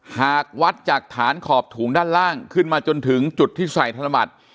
หากวัดจากฐานขอบถุงด้านล่างขึ้นมาจนถึงจุดที่ใส่ธนบัตร